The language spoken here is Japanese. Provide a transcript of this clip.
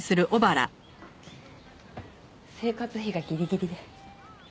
生活費がギリギリで。